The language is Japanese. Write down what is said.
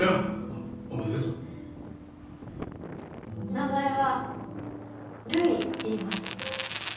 名前はるいいいます。